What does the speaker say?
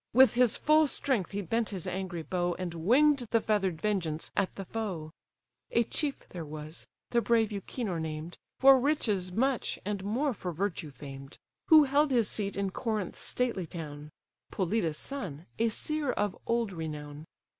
With his full strength he bent his angry bow, And wing'd the feather'd vengeance at the foe. A chief there was, the brave Euchenor named, For riches much, and more for virtue famed. Who held his seat in Corinth's stately town; Polydus' son, a seer of old renown.